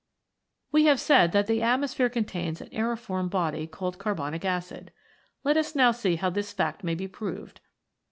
We have said that the atmosphere contains an aeriform body called carbonic acid. Let us now see how this fact may be proved.